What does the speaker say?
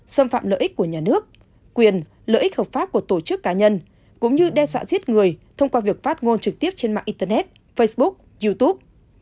xâm phạm lợi ích của nhà nước quyền lợi ích hợp pháp của tổ chức cá nhân cũng như đe dọa giết người thông qua việc phát ngôn trực tiếp trên mạng internet facebook youtube